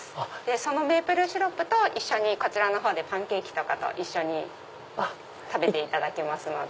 そのメープルシロップと一緒にこちらの方でパンケーキとか食べていただけますので。